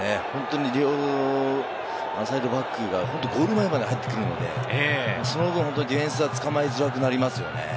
両サイドバックがゴール前まで入ってくるので、その分、ディフェンスは捕まえづらくなりますよね。